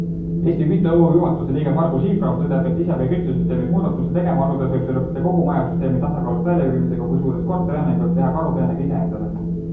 Eesti Küte OÜ juhatuse liige Margus Hirbaum tõdeb, et isepäi küttesüsteemis muudatusi tegema asudes võib see lõppeda kogu maja süsteemi tasakaalust välja viimisega, kusjuures korterielanik võib teha karuteene ka iseendale.